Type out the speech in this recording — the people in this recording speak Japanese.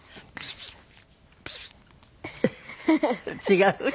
違う？